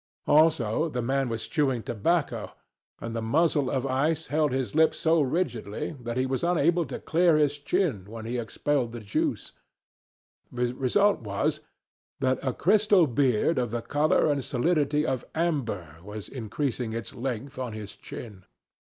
Also, the man was chewing tobacco, and the muzzle of ice held his lips so rigidly that he was unable to clear his chin when he expelled the juice. The result was that a crystal beard of the colour and solidity of amber was increasing its length on his chin.